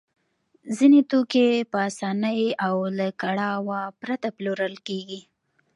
ځینې توکي په اسانۍ او له کړاوه پرته پلورل کېږي